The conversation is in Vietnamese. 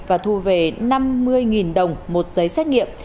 và thu về năm mươi đồng một giấy xét nghiệm